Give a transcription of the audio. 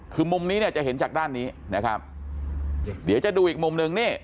คือมุมนี้เนี่ยจะเห็นจากด้านนี้นะครับเดี๋ยวจะดูอีกมุมหนึ่งนี่